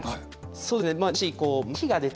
そうですね。